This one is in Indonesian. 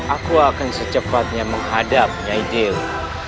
aku akan secepatnya menghadap nyai dewi